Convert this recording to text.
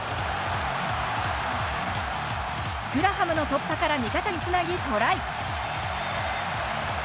グラハムの突破から味方につなぎ、トライ。